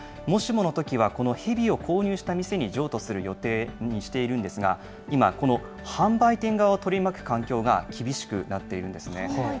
もしものときは、このヘビを購入した店に譲渡する予定にしているんですが、今、この販売店側を取り巻く環境が厳しくなっているんですね。